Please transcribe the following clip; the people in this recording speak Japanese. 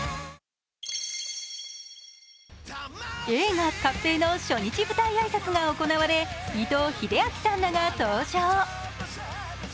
映画「ＫＡＰＰＥＩ」の初日舞台挨拶が行われ伊藤英明さんらが登場。